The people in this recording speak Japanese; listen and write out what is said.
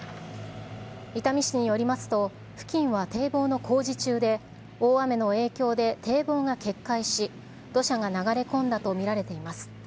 伊丹市によりますと、付近は堤防の工事中で、大雨の影響で堤防が決壊し、土砂が流れ込んだと見られています。